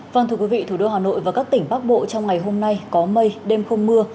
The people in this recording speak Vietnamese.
vâng thưa quý vị thủ đô hà nội và các tỉnh bắc bộ trong ngày hôm nay có mây đêm không mưa